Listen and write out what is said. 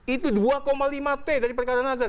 itu dua lima t dari perkara nazar